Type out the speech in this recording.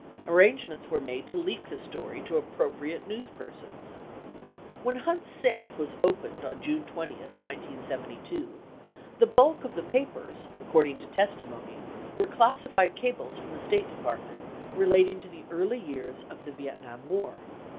Arrangements were made to leak the story to appropriate news persons. 70 When Hunt's safe was opened on June 20, 1972, the bulk of the papers, according to testimony, were classified cables from the State Department relating to the early years of the Vietnam war.